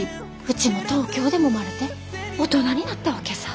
うちも東京でもまれて大人になったわけさ。